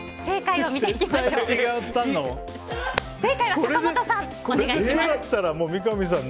正解を坂本さん、お願いします。